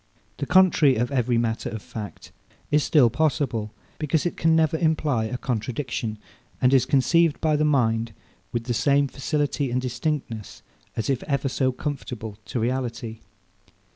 The contrary of every matter of fact is still possible; because it can never imply a contradiction, and is conceived by the mind with the same facility and distinctness, as if ever so conformable to reality.